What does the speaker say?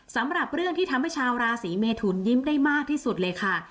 สำหรับเรื่องที่ทำให้ชาวราศีเมทุนยิ้มได้มากที่สุดเลยค่ะ